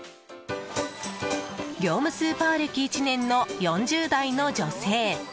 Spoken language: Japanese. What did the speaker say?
業務スーパー歴１年の４０代の女性。